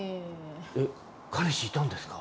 え彼氏いたんですか。